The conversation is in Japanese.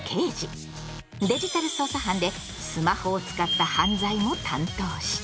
デジタル捜査班でスマホを使った犯罪も担当した。